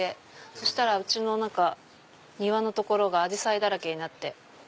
そしたらうちの庭の所がアジサイだらけになって。